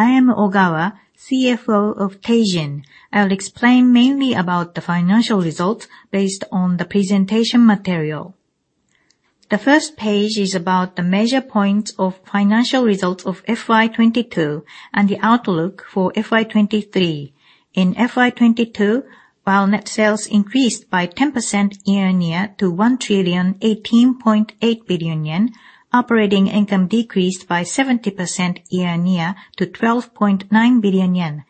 I am Nabeshima, CFO of Teijin. I'll explain mainly about the financial results based on the presentation material. The first page is about the measure points of financial results of FY 2022 and the outlook for FY 2023. In FY 2022, while net sales increased by 10% year-on-year to 1,018.8 billion yen, operating income decreased by 70% year-on-year to 12.9 billion yen.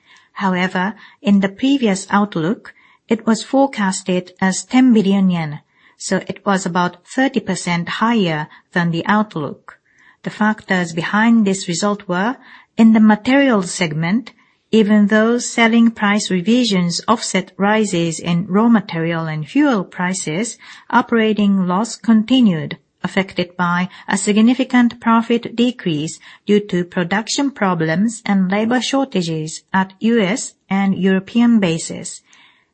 In the previous outlook, it was forecasted as 10 billion yen, it was about 30% higher than the outlook. The factors behind this result were, in the materials segment, even though selling price revisions offset rises in raw material and fuel prices, operating loss continued, affected by a significant profit decrease due to production problems and labor shortages at U.S. and European bases,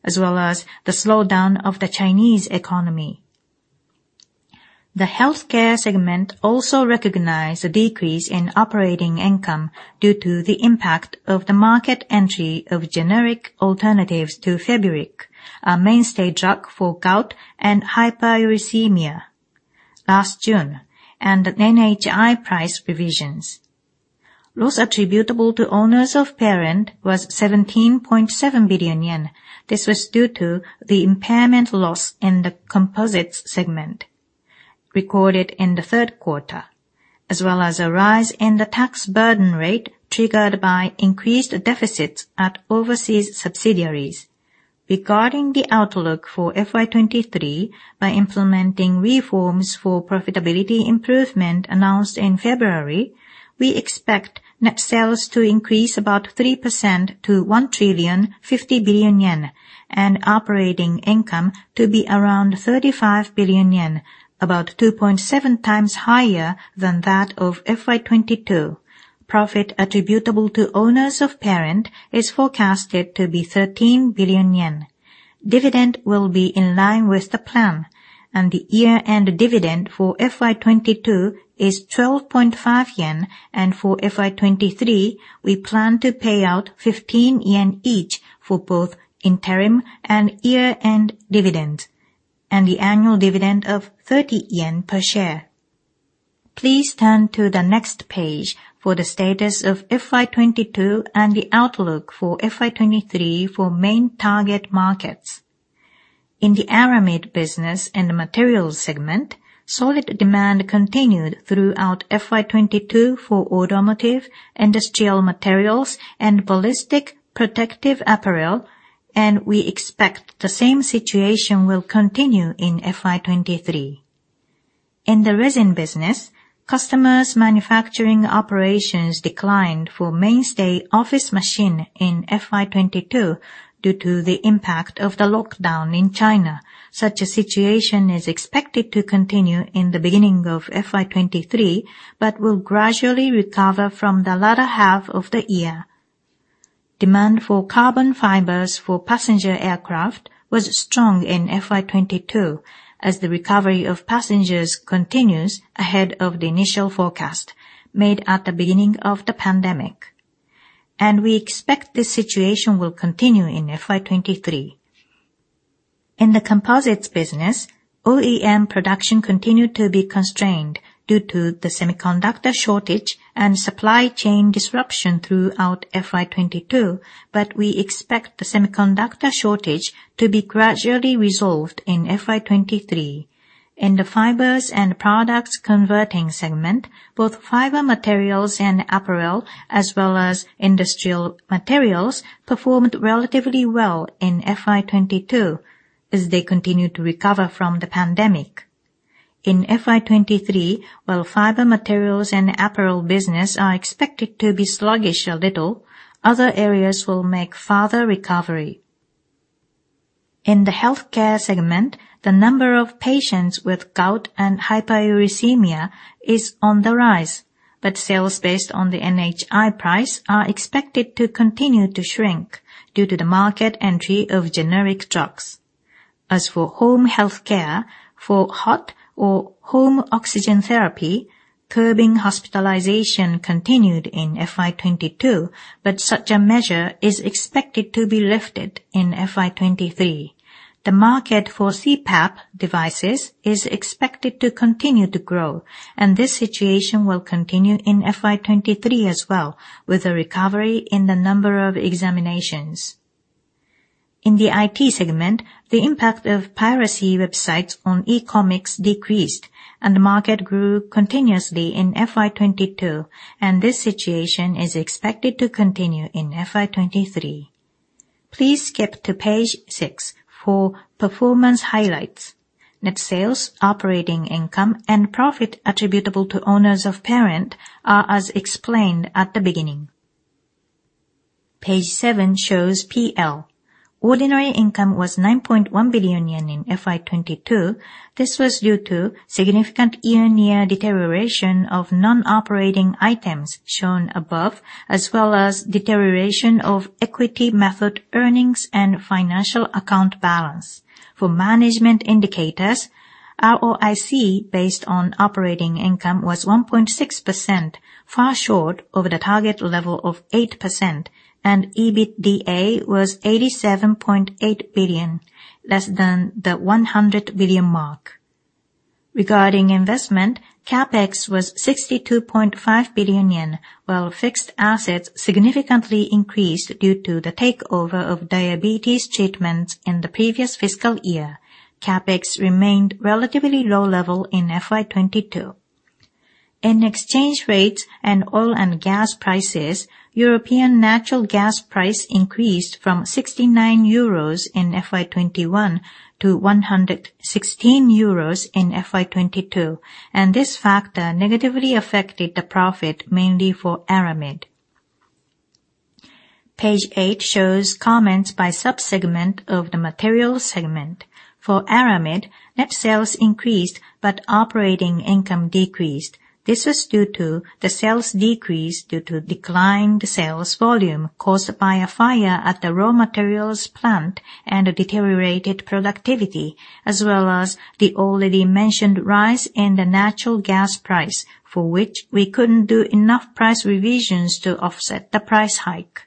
as well as the slowdown of the Chinese economy. The healthcare segment also recognized a decrease in operating income due to the impact of the market entry of generic alternatives to Feburic, a mainstay drug for gout and hyperuricemia last June, and the NHI price revisions. Loss attributable to owners of parent was 17.7 billion yen. This was due to the impairment loss in the composites segment recorded in the third quarter, as well as a rise in the tax burden rate triggered by increased deficits at overseas subsidiaries. Regarding the outlook for FY 2023, by implementing reforms for profitability improvement announced in February, we expect net sales to increase about 3% to 1,050 billion yen and operating income to be around 35 billion yen, about 2.7 times higher than that of FY 2022. Profit attributable to owners of parent is forecasted to be 13 billion yen. Dividend will be in line with the plan and the year-end dividend for FY 2022 is 12.5 yen, and for FY 2023, we plan to pay out 15 yen each for both interim and year-end dividends, and the annual dividend of 30 yen per share. Please turn to the next page for the status of FY 2022 and the outlook for FY 2023 for main target markets. In the Aramid business and materials segment, solid demand continued throughout FY 2022 for automotive, industrial materials, and ballistic protective apparel, and we expect the same situation will continue in FY 2023. In the resin business, customers' manufacturing operations declined for mainstay office machine in FY 2022 due to the impact of the lockdown in China. Such a situation is expected to continue in the beginning of FY 2023, but will gradually recover from the latter half of the year. Demand for carbon fibers for passenger aircraft was strong in FY 2022 as the recovery of passengers continues ahead of the initial forecast made at the beginning of the pandemic, and we expect this situation will continue in FY 2023. In the composites business, OEM production continued to be constrained due to the semiconductor shortage and supply chain disruption throughout FY 2022, but we expect the semiconductor shortage to be gradually resolved in FY 2023. In the fibers and products converting segment, both fiber materials and apparel, as well as industrial materials, performed relatively well in FY 2022 as they continued to recover from the pandemic. In FY 2023, while fiber materials and apparel business are expected to be sluggish a little, other areas will make further recovery. In the healthcare segment, the number of patients with gout and hyperuricemia is on the rise, but sales based on the NHI price are expected to continue to shrink due to the market entry of generic drugs. As for home healthcare, for HOT or home oxygen therapy, curbing hospitalization continued in FY 2022, but such a measure is expected to be lifted in FY 2023. The market for CPAP devices is expected to continue to grow, and this situation will continue in FY 2023 as well, with a recovery in the number of examinations. In the IT segment, the impact of piracy websites on e-comics decreased and the market grew continuously in FY 2022, and this situation is expected to continue in FY 2023. Please skip to page 6 for performance highlights. Net sales, operating income, and profit attributable to owners of parent are as explained at the beginning. Page seven shows PL. Ordinary income was 9.1 billion yen in FY 2022. This was due to significant year-on-year deterioration of non-operating items shown above, as well as deterioration of equity method earnings and financial account balance. For management indicators, ROIC based on operating income was 1.6%, far short of the target level of 8%, and EBITDA was 87.8 billion, less than the 100 billion mark. Regarding investment, CapEx was 62.5 billion yen, while fixed assets significantly increased due to the takeover of diabetes treatments in the previous fiscal year. CapEx remained relatively low level in FY 2022. In exchange rates and oil and gas prices, European natural gas price increased from 69 euros in FY 2021 to 116 euros in FY 2022, and this factor negatively affected the profit mainly for Aramid. Page eight shows comments by sub-segment of the material segment. For Aramid, net sales increased but operating income decreased. This was due to the sales decrease due to declined sales volume caused by a fire at the raw materials plant and a deteriorated productivity, as well as the already mentioned rise in the natural gas price, for which we couldn't do enough price revisions to offset the price hike.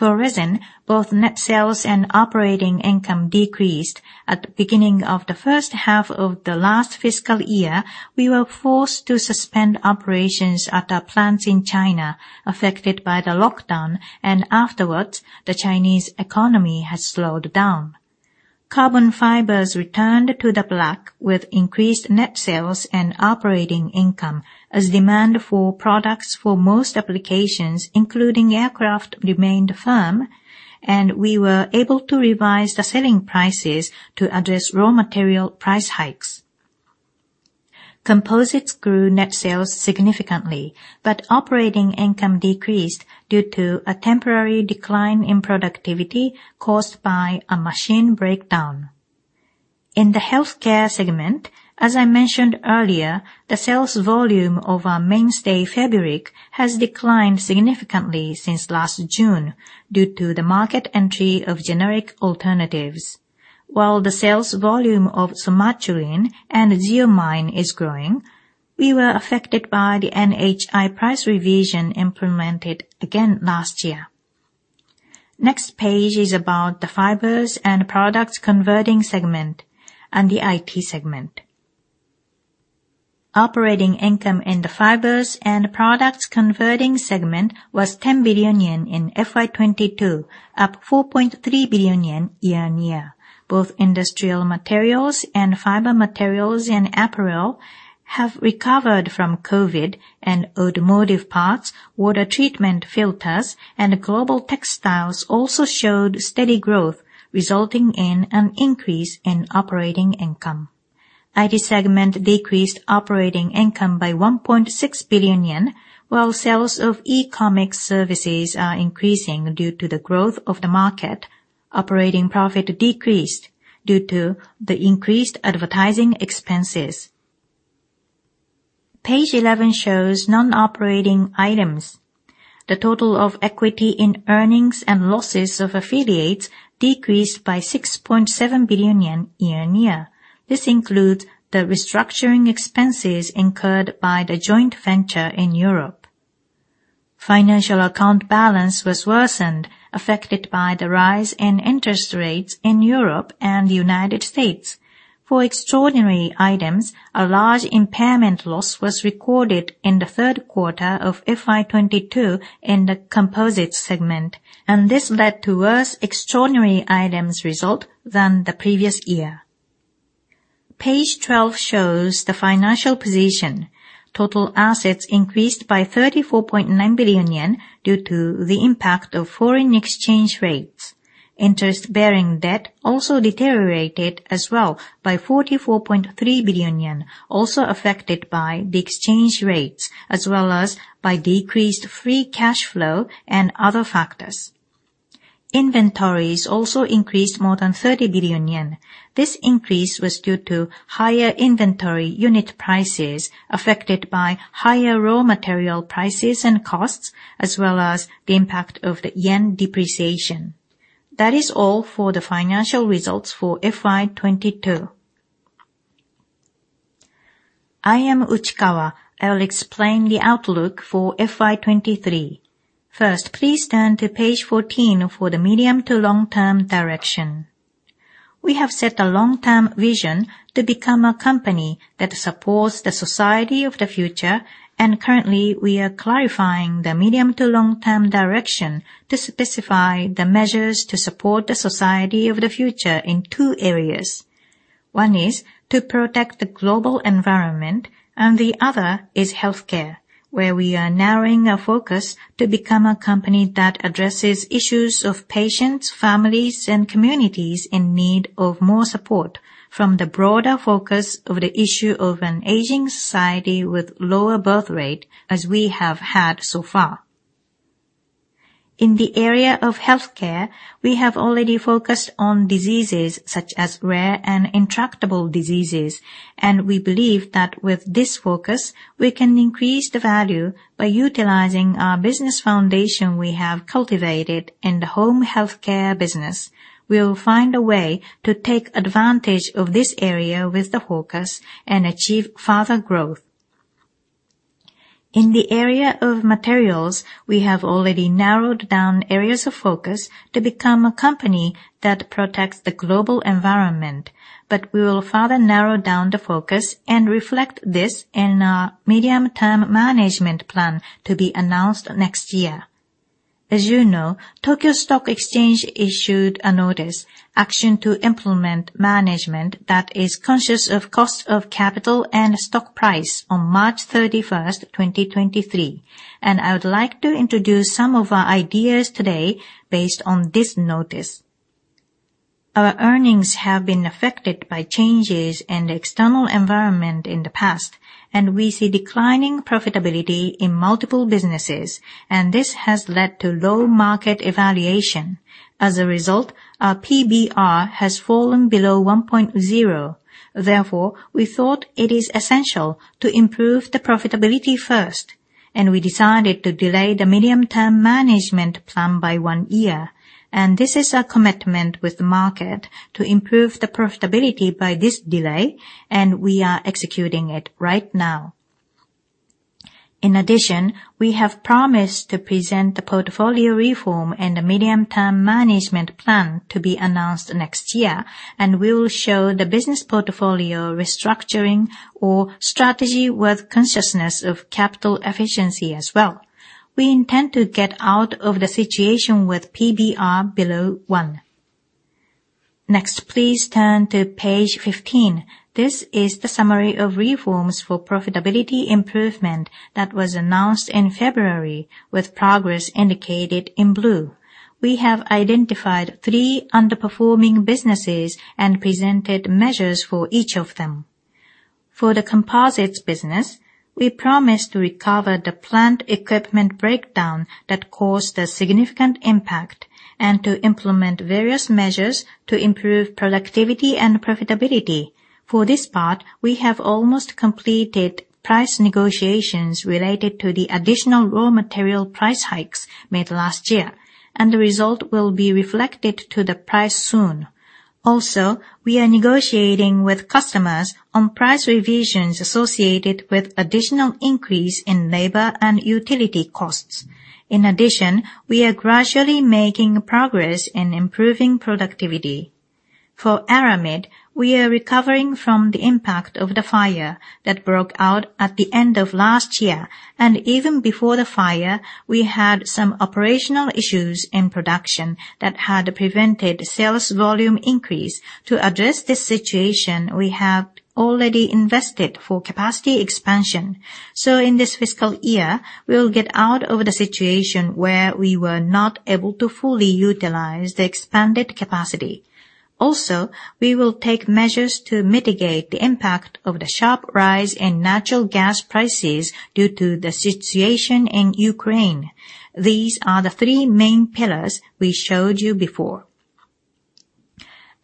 For Resin, both net sales and operating income decreased. At the beginning of the 1st half of the last fiscal year, we were forced to suspend operations at our plants in China affected by the lockdown, and afterwards, the Chinese economy has slowed down. Carbon fibers returned to the black with increased net sales and operating income as demand for products for most applications, including aircraft, remained firm and we were able to revise the selling prices to address raw material price hikes. Composites grew net sales significantly, operating income decreased due to a temporary decline in productivity caused by a machine breakdown. In the healthcare segment, as I mentioned earlier, the sales volume of our mainstay Feburic has declined significantly since last June due to the market entry of generic alternatives. While the sales volume of Somatuline and Xeomin is growing, we were affected by the NHI price revision implemented again last year. Next page is about the Fibers and Products Converting segment and the IT segment. Operating income in the Fibers and Products Converting segment was 10 billion yen in FY 2022, up 4.3 billion yen year-on-year. Both industrial materials and fiber materials and apparel have recovered from COVID and automotive parts, water treatment filters, and global textiles also showed steady growth, resulting in an increase in operating income. IT segment decreased operating income by 1.6 billion yen, while sales of e-commerce services are increasing due to the growth of the market. Operating profit decreased due to the increased advertising expenses. Page 11 shows non-operating items. The total of equity in earnings and losses of affiliates decreased by 6.7 billion yen year-on-year. This includes the restructuring expenses incurred by the joint venture in Europe. Financial account balance was worsened, affected by the rise in interest rates in Europe and the United States. For extraordinary items, a large impairment loss was recorded in the third quarter of FY 2022 in the composites segment, and this led to worse extraordinary items result than the previous year. Page 12 shows the financial position. Total assets increased by 34.9 billion yen due to the impact of foreign exchange rates. Interest-bearing debt also deteriorated as well by 44.3 billion yen, also affected by the exchange rates, as well as by decreased free cash flow and other factors. Inventories also increased more than 30 billion yen. This increase was due to higher inventory unit prices affected by higher raw material prices and costs, as well as the impact of the yen depreciation. That is all for the financial results for FY 2022. I am Uchikawa. I'll explain the outlook for FY 2023. First, please turn to page 14 for the medium to long-term direction. We have set a long-term vision to become a company that supports the society of the future. Currently, we are clarifying the medium to long-term direction to specify the measures to support the society of the future in two areas. One is to protect the global environment, and the other is healthcare, where we are narrowing our focus to become a company that addresses issues of patients, families, and communities in need of more support from the broader focus of the issue of an aging society with lower birth rate, as we have had so far. In the area of healthcare, we have already focused on diseases such as rare and intractable diseases. We believe that with this focus, we can increase the value by utilizing our business foundation we have cultivated in the home healthcare business. We'll find a way to take advantage of this area with the focus and achieve further growth. In the area of materials, we have already narrowed down areas of focus to become a company that protects the global environment, we will further narrow down the focus and reflect this in our medium-term management plan to be announced next year. As you know, Tokyo Stock Exchange issued a notice, Action to Implement Management That Is Conscious of Cost of Capital and Stock Price, on March 31st, 2023, I would like to introduce some of our ideas today based on this notice. Our earnings have been affected by changes in the external environment in the past, we see declining profitability in multiple businesses, this has led to low market evaluation. As a result, our PBR has fallen below 1.0. We thought it is essential to improve the profitability first, and we decided to delay the medium-term management plan by one year. This is our commitment with the market to improve the profitability by this delay, and we are executing it right now. We have promised to present the portfolio reform and the medium-term management plan to be announced next year, and we will show the business portfolio restructuring or strategy with consciousness of capital efficiency as well. We intend to get out of the situation with PBR below one. Please turn to page 15. This is the summary of reforms for profitability improvement that was announced in February, with progress indicated in blue. We have identified three underperforming businesses and presented measures for each of them. For the composites business, we promise to recover the plant equipment breakdown that caused a significant impact and to implement various measures to improve productivity and profitability. For this part, we have almost completed price negotiations related to the additional raw material price hikes made last year, and the result will be reflected to the price soon. Also, we are negotiating with customers on price revisions associated with additional increase in labor and utility costs. In addition, we are gradually making progress in improving productivity. For Aramid, we are recovering from the impact of the fire that broke out at the end of last year. Even before the fire, we had some operational issues in production that had prevented sales volume increase. To address this situation, we have already invested for capacity expansion. In this fiscal year, we will get out of the situation where we were not able to fully utilize the expanded capacity. Also, we will take measures to mitigate the impact of the sharp rise in natural gas prices due to the situation in Ukraine. These are the three main pillars we showed you before.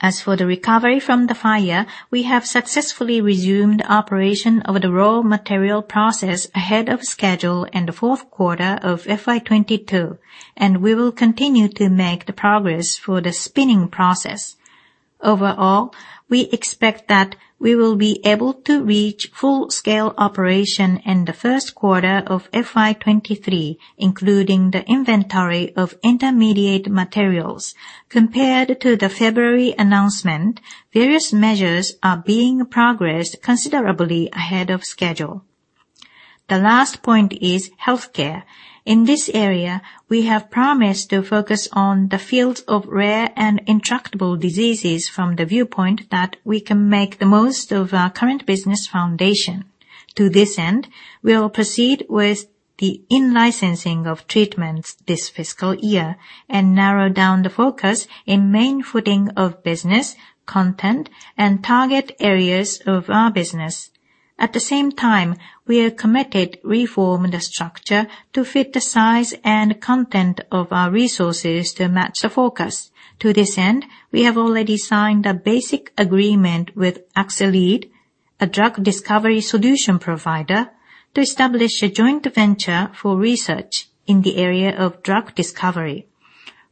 As for the recovery from the fire, we have successfully resumed operation of the raw material process ahead of schedule in the 4th quarter of FY 22, and we will continue to make the progress for the spinning process. Overall, we expect that we will be able to reach full-scale operation in the 1st quarter of FY 23, including the inventory of intermediate materials. Compared to the February announcement, various measures are being progressed considerably ahead of schedule. The last point is healthcare. In this area, we have promised to focus on the fields of rare and intractable diseases from the viewpoint that we can make the most of our current business foundation. To this end, we will proceed with the in-licensing of treatments this fiscal year and narrow down the focus in main footing of business, content, and target areas of our business. At the same time, we are committed reform the structure to fit the size and content of our resources to match the focus. To this end, we have already signed a basic agreement with Axcelead, a drug discovery solution provider, to establish a joint venture for research in the area of drug discovery.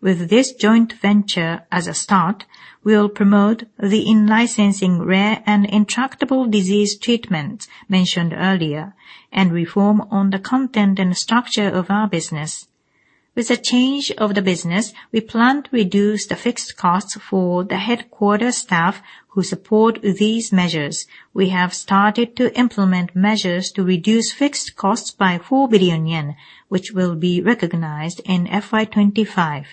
With this joint venture as a start, we will promote the in-licensing rare and intractable disease treatments mentioned earlier and reform on the content and structure of our business. With the change of the business, we plan to reduce the fixed costs for the headquarters staff who support these measures. We have started to implement measures to reduce fixed costs by 4 billion yen, which will be recognized in FY 2025.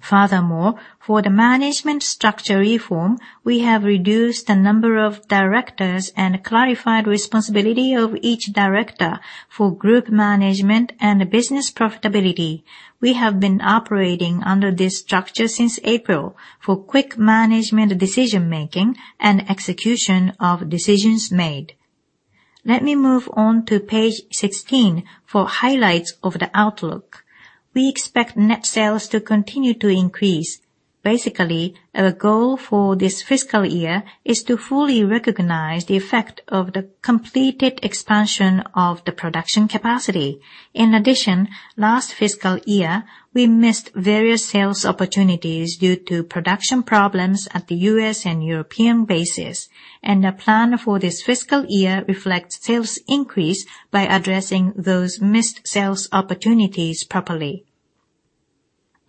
Furthermore, for the management structure reform, we have reduced the number of directors and clarified responsibility of each director for group management and business profitability. We have been operating under this structure since April for quick management decision-making and execution of decisions made. Let me move on to page 16 for highlights of the outlook. We expect net sales to continue to increase. Basically, our goal for this fiscal year is to fully recognize the effect of the completed expansion of the production capacity. Last fiscal year, we missed various sales opportunities due to production problems at the U.S. and European bases, and our plan for this fiscal year reflects sales increase by addressing those missed sales opportunities properly.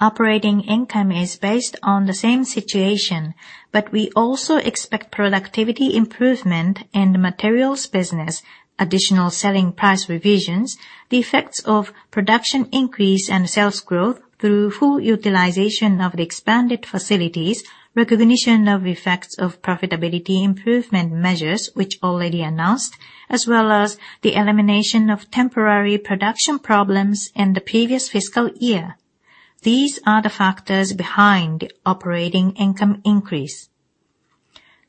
Operating income is based on the same situation, but we also expect productivity improvement in the materials business, additional selling price revisions, the effects of production increase and sales growth through full utilization of the expanded facilities, recognition of effects of profitability improvement measures which already announced, as well as the elimination of temporary production problems in the previous fiscal year. These are the factors behind operating income increase.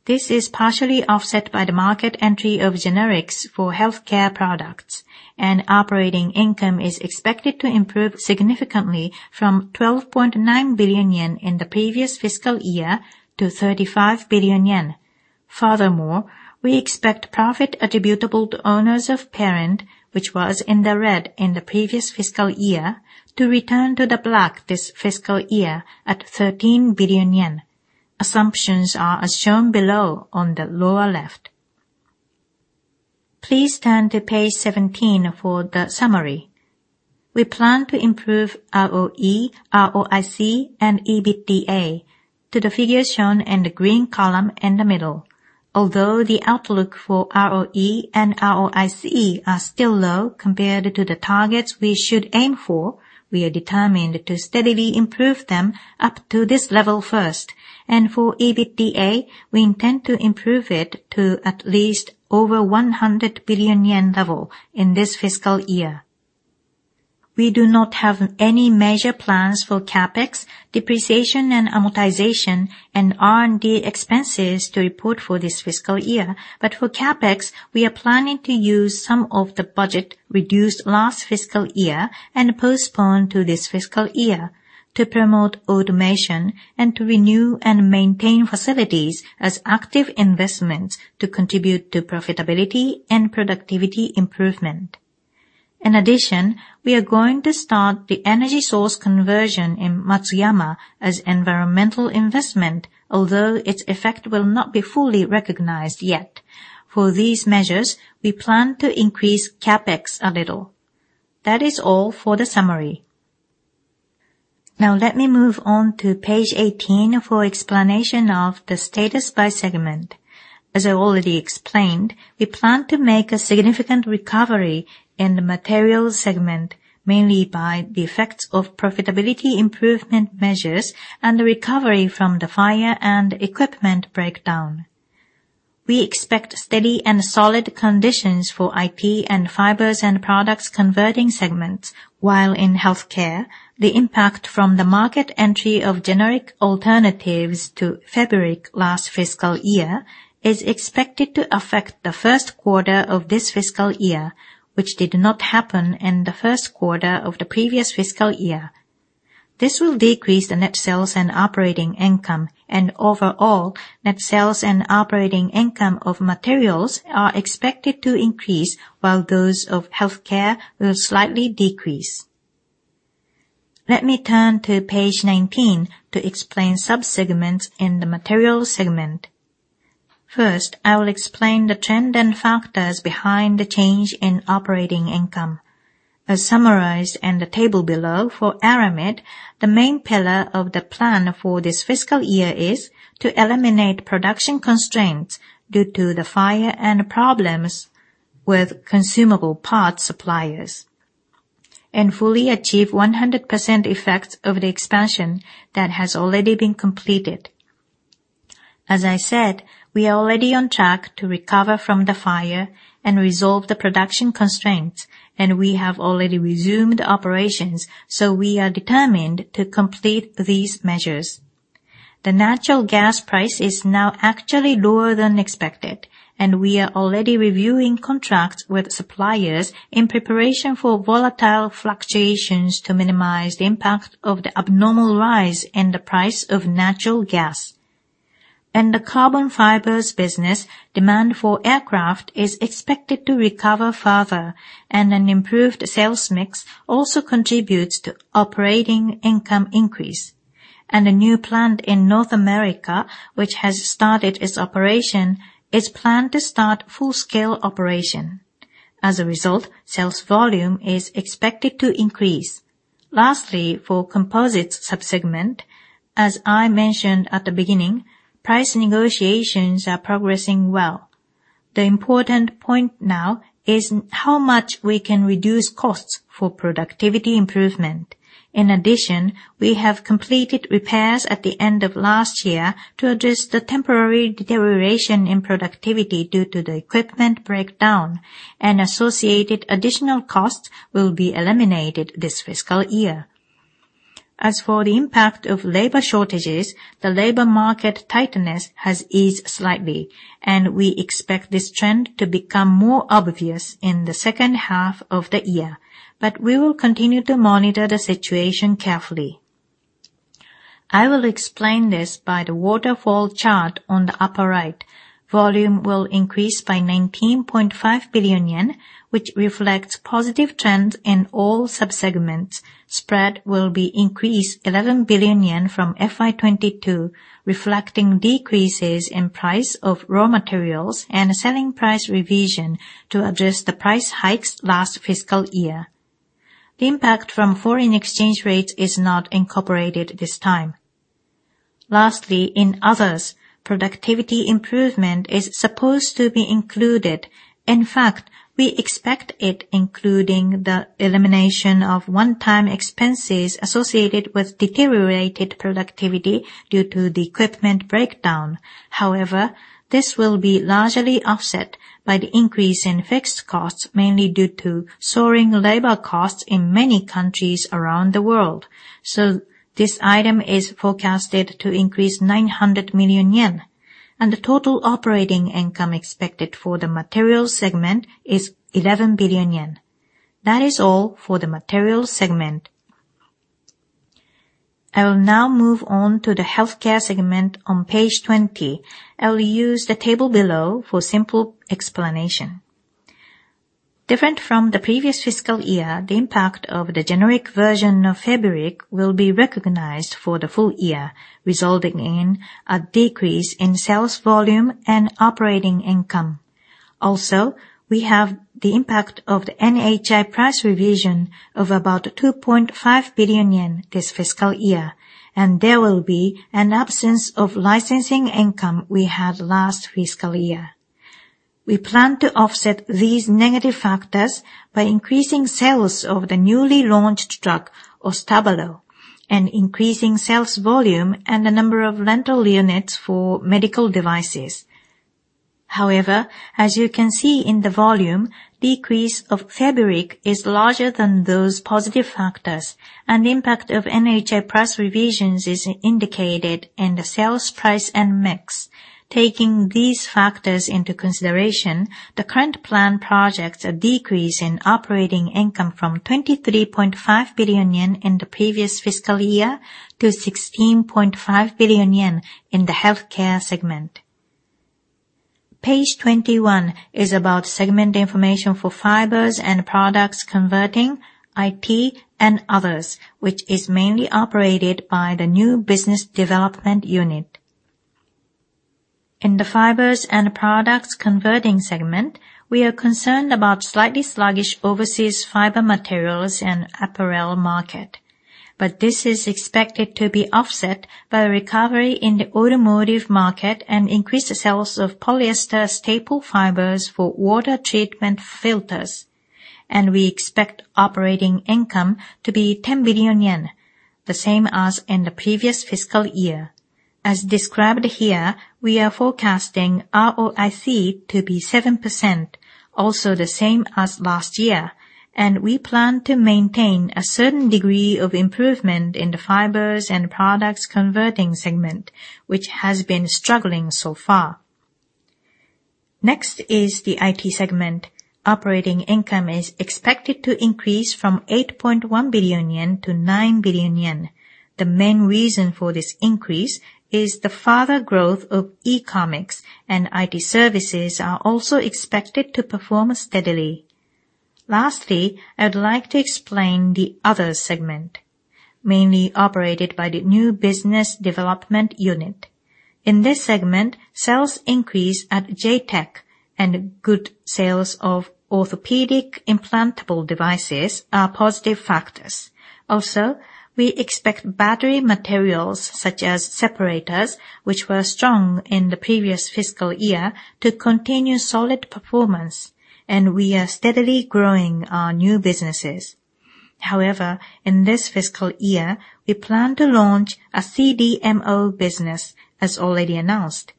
This is partially offset by the market entry of generics for healthcare products. Operating income is expected to improve significantly from 12.9 billion yen in the previous fiscal year to 35 billion yen. Furthermore, we expect profit attributable to owners of parent, which was in the red in the previous fiscal year, to return to the black this fiscal year at 13 billion yen. Assumptions are as shown below on the lower left. Please turn to page 17 for the summary. We plan to improve ROE, ROIC, and EBITDA to the figures shown in the green column in the middle. Although the outlook for ROE and ROIC are still low compared to the targets we should aim for, we are determined to steadily improve them up to this level first. For EBITDA, we intend to improve it to at least over 100 billion yen level in this fiscal year. We do not have any major plans for CapEx, depreciation and amortization, and R&D expenses to report for this fiscal year. For CapEx, we are planning to use some of the budget reduced last fiscal year and postponed to this fiscal year to promote automation and to renew and maintain facilities as active investments to contribute to profitability and productivity improvement. In addition, we are going to start the energy source conversion in Matsuyama as environmental investment, although its effect will not be fully recognized yet. For these measures, we plan to increase CapEx a little. That is all for the summary. Now let me move on to page 18 for explanation of the status by segment. As I already explained, we plan to make a significant recovery in the materials segment, mainly by the effects of profitability improvement measures and the recovery from the fire and equipment breakdown. We expect steady and solid conditions for IT and fibers and products converting segments, while in healthcare, the impact from the market entry of generic alternatives to Feburic last fiscal year is expected to affect the first quarter of this fiscal year, which did not happen in the first quarter of the previous fiscal year. This will decrease the net sales and operating income, and overall, net sales and operating income of materials are expected to increase, while those of healthcare will slightly decrease. Let me turn to page 19 to explain sub-segments in the materials segment. First, I will explain the trend and factors behind the change in operating income. As summarized in the table below for Aramid, the main pillar of the plan for this fiscal year is to eliminate production constraints due to the fire and problems with consumable parts suppliers and fully achieve 100% effects of the expansion that has already been completed. As I said, we are already on track to recover from the fire and resolve the production constraints, and we have already resumed operations, so we are determined to complete these measures. The natural gas price is now actually lower than expected, and we are already reviewing contracts with suppliers in preparation for volatile fluctuations to minimize the impact of the abnormal rise in the price of natural gas. In the carbon fibers business, demand for aircraft is expected to recover further, and an improved sales mix also contributes to operating income increase. A new plant in North America, which has started its operation, is planned to start full-scale operation. As a result, sales volume is expected to increase. Lastly, for composites sub-segment, as I mentioned at the beginning, price negotiations are progressing well. The important point now is how much we can reduce costs for productivity improvement. In addition, we have completed repairs at the end of last year to address the temporary deterioration in productivity due to the equipment breakdown, and associated additional costs will be eliminated this fiscal year. As for the impact of labor shortages, the labor market tightness has eased slightly, and we expect this trend to become more obvious in the second half of the year. We will continue to monitor the situation carefully. I will explain this by the waterfall chart on the upper right. Volume will increase by 19.5 billion yen, which reflects positive trends in all sub-segments. Spread will be increased 11 billion yen from FY 2022, reflecting decreases in price of raw materials and selling price revision to address the price hikes last fiscal year. The impact from foreign exchange rates is not incorporated this time. In others, productivity improvement is supposed to be included. In fact, we expect it including the elimination of one-time expenses associated with deteriorated productivity due to the equipment breakdown. This will be largely offset by the increase in fixed costs, mainly due to soaring labor costs in many countries around the world. This item is forecasted to increase 900 million yen, and the total operating income expected for the materials segment is 11 billion yen. That is all for the materials segment. I will now move on to the healthcare segment on page 20. I will use the table below for simple explanation. Different from the previous fiscal year, the impact of the generic version of Feburic will be recognized for the full year, resulting in a decrease in sales volume and operating income. We have the impact of the NHI price revision of about 2.5 billion yen this fiscal year, and there will be an absence of licensing income we had last fiscal year. We plan to offset these negative factors by increasing sales of the newly launched drug, Ostabaro, and increasing sales volume and the number of rental units for medical devices. As you can see in the volume, decrease of Feburic is larger than those positive factors and impact of NHI price revisions is indicated in the sales price and mix. Taking these factors into consideration, the current plan projects a decrease in operating income from 23.5 billion yen in the previous fiscal year to 16.5 billion yen in the healthcare segment. Page 21 is about segment information for fibers and products converting, IT, and others, which is mainly operated by the new business development unit. In the fibers and products converting segment, we are concerned about slightly sluggish overseas fiber materials and apparel market. This is expected to be offset by a recovery in the automotive market and increased sales of polyester staple fibers for water treatment filters. We expect operating income to be 10 billion yen, the same as in the previous fiscal year. As described here, we are forecasting ROIC to be 7%, also the same as last year. We plan to maintain a certain degree of improvement in the fibers and products converting segment, which has been struggling so far. Next is the IT segment. Operating income is expected to increase from 8.1 billion yen to 9 billion yen. The main reason for this increase is the further growth of e-commerce and IT services are also expected to perform steadily. Lastly, I would like to explain the other segment mainly operated by the new business development unit. In this segment, sales increase at JTEKT and good sales of orthopedic implantable devices are positive factors. We expect battery materials such as separators, which were strong in the previous fiscal year, to continue solid performance, and we are steadily growing our new businesses. In this fiscal year, we plan to launch a CDMO business as already announced,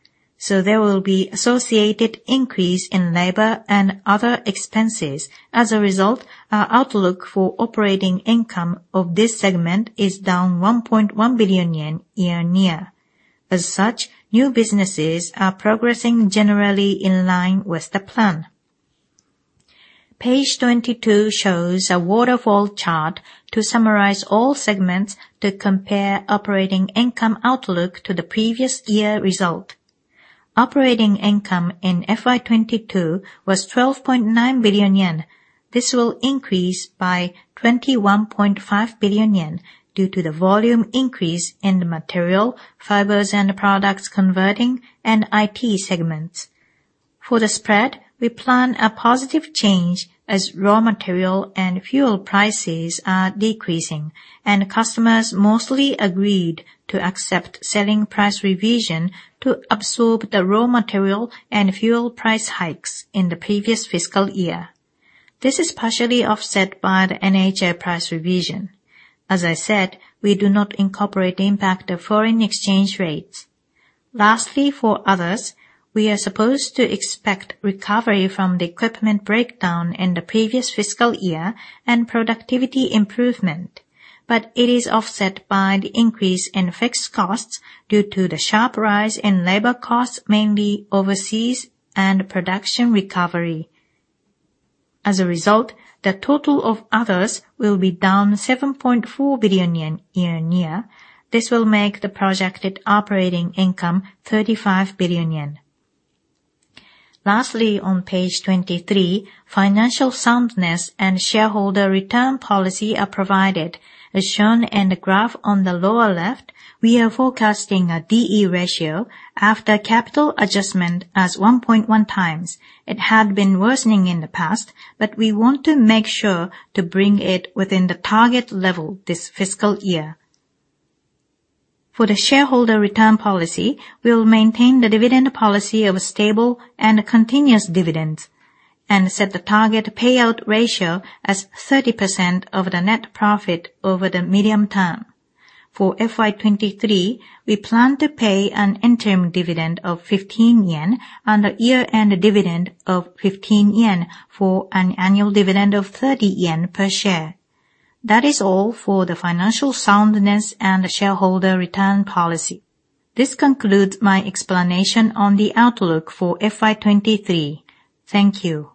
so there will be associated increase in labor and other expenses. As a result, our outlook for operating income of this segment is down 1.1 billion yen year-on-year. New businesses are progressing generally in line with the plan. Page 22 shows a waterfall chart to summarize all segments to compare operating income outlook to the previous year result. Operating income in FY 2022 was 12.9 billion yen. This will increase by 21.5 billion yen due to the volume increase in the material, fibers and products converting, and IT segments. For the spread, we plan a positive change as raw material and fuel prices are decreasing and customers mostly agreed to accept selling price revision to absorb the raw material and fuel price hikes in the previous fiscal year. This is partially offset by the NHI price revision. As I said, we do not incorporate the impact of foreign exchange rates. Lastly, for others, we are supposed to expect recovery from the equipment breakdown in the previous fiscal year and productivity improvement. It is offset by the increase in fixed costs due to the sharp rise in labor costs, mainly overseas and production recovery. As a result, the total of others will be down 7.4 billion yen year-on-year. This will make the projected operating income 35 billion yen. Lastly, on page 23, financial soundness and shareholder return policy are provided. As shown in the graph on the lower left, we are forecasting a D/E ratio after capital adjustment as 1.1 times. It had been worsening in the past, we want to make sure to bring it within the target level this fiscal year. For the shareholder return policy, we'll maintain the dividend policy of a stable and continuous dividends and set the target payout ratio as 30% of the net profit over the medium term. For FY 2023, we plan to pay an interim dividend of 15 yen and a year-end dividend of 15 yen for an annual dividend of 30 yen per share. That is all for the financial soundness and shareholder return policy. This concludes my explanation on the outlook for FY 2023. Thank you.